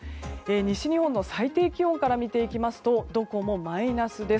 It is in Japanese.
西日本の最高気温から見ていきますとどこもマイナスです。